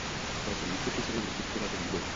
Stal se místopředsedou rozpočtového výboru.